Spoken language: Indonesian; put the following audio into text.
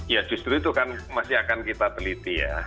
ya justru itu kan masih akan kita teliti ya